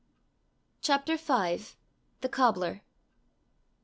CHAPTER V. THE COBBLER.